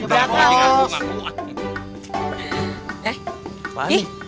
biar aku ngumpet